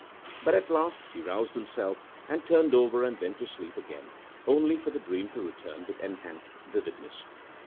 But at last he roused himself, and turned over and went to sleep again, only for the dream to return with enhanced vividness.